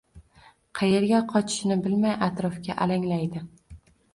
Qayerga qochishni bilmay atrofga alanglaydi.